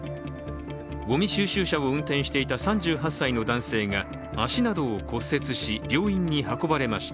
ごみ収集車を運転していた３８歳の男性が足などを骨折し、病院に運ばれました。